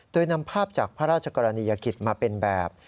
โดยนำภาพจากพระราชกรณียกิจมาเป็นแบบ